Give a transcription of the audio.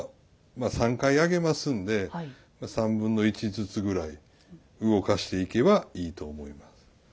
まあ３回上げますんで３分の１ずつぐらい動かしていけばいいと思います。